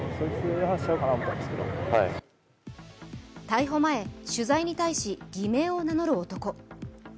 逮捕前、取材に対し偽名を名乗る男。